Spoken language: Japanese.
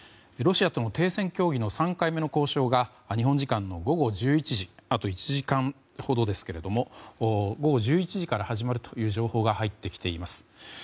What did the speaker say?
ロシアとの停戦協議の３回目の交渉が日本時間の午後１１時あと１時間ほどですけれども午後１１時から始まるという情報が入ってきています。